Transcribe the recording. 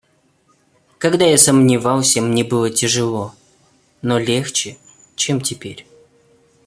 Когда я сомневался, мне было тяжело, но легче, чем теперь.